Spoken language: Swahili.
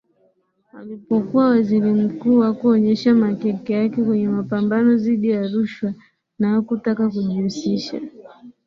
Alipokuwa Waziri Mkuu hakuonyesha makeke yake kwenye mapambano dhidi ya rushwa na hakutaka kujihusisha